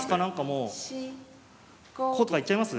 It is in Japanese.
こうとか行っちゃいます？